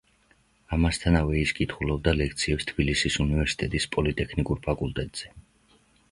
ამასთანავე ის კითხულობდა ლექციებს თბილისის უნივერსიტეტის პოლიტექნიკურ ფაკულტეტზე.